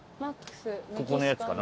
ここのやつかな？